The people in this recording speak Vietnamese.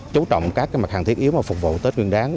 chú trọng các mặt hàng thiết yếu phục vụ tết nguyên đáng